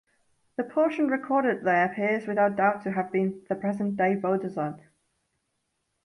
The portion recorded there appears without doubt to have been the present-day Beaudesert.